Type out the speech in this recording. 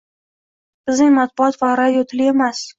Bizning matbuot va radio tili emas.